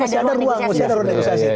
jadi masih ada ruang negosiasi